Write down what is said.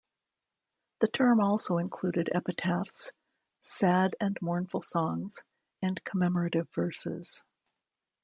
The term also included epitaphs, sad and mournful songs, and commemorative verses.